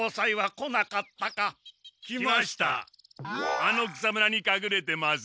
あの草むらにかくれてます。